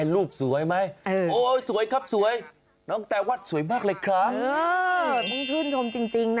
ดูชื่นชมจริง